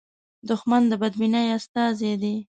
دښمن د بدبینۍ استازی دی